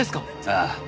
ああ。